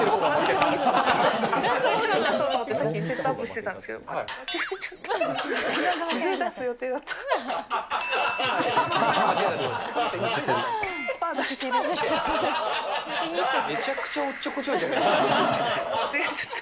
チョキ出させようと思って、さっき、セットアップしてたんですけど、間違えちゃった。